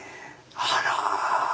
あら。